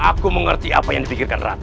aku mengerti apa yang dipikirkan ratu